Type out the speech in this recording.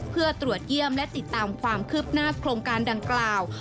เพื่อตรวจเยี่ยมและติดตามความคืบหน้าโครงการดังกล่าว